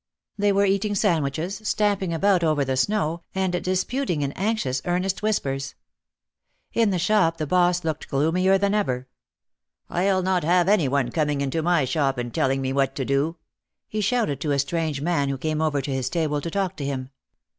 They were eating sandwiches, stamp ing about over the snow and disputing in anxious ear nest whispers. In the shop the boss looked gloomier than ever. "I'll not have any one coming into my shop and tell ing me what to do," he shouted to a strange man who came over to his table to talk to him.